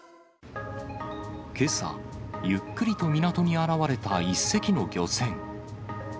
けさ、ゆっくりと港に現れた１隻の漁船。